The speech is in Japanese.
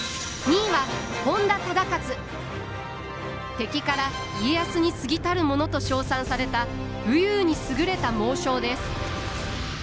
敵から家康にすぎたるものと称賛された武勇に優れた猛将です。